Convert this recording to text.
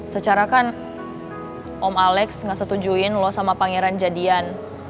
secara kan om alex gak setujuin lo sama pangeran jadian